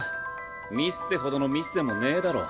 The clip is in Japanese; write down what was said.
ミスってほどのミスでもねぇだろ。